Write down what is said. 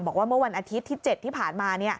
บอกว่าเมื่อวันอาทิตย์ที่๗ที่ผ่านมา